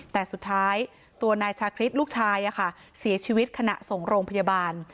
แต่สุดท้ายตัวนายชาคริสลูกชายเสียชีวิตขณะส่งโรงพยาบาล